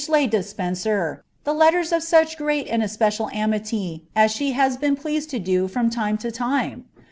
le De r, letters of such great and especial amity as she has been pleased to do me to time